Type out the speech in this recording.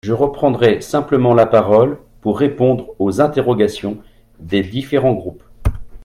Je reprendrai simplement la parole pour répondre aux interrogations des différents groupes.